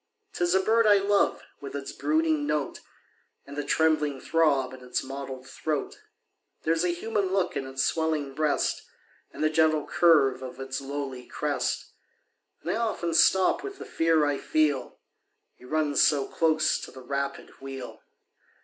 'Tis a bird I love, with its brooding note, And the trembling throb in its mottled throat ; There's a human look in its swellinor breast, And the gentle curve of its lowly crest ; And I often stop with the fear I feel — He runs so close to the rapid wheel.